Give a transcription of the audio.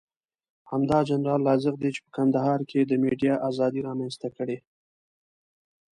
همدا جنرال رازق دی چې په کندهار کې یې د ميډيا ازادي رامنځته کړې.